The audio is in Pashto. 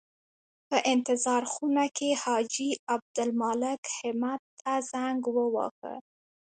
په انتظار خونه کې حاجي عبدالمالک همت ته زنګ وواهه.